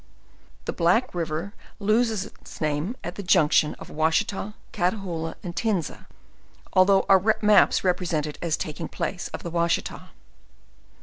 The Black river looses its name * at the junction of Washita, Catahoola, and Tenza although our maps represent it as taking place of the Washita.